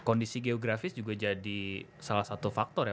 kondisi geografis juga jadi salah satu faktor ya